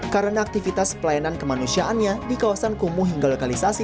karena aktivitas pelayanan kemanusiaannya di kawasan kumuh hingga lokalisasi